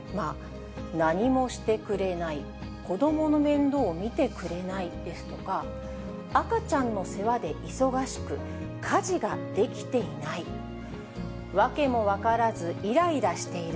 何もしてくれない、子どもの面倒を見てくれないですとか、赤ちゃんの世話で忙しく、家事ができていない、訳も分からずいらいらしている。